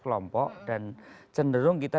kelompok dan cenderung kita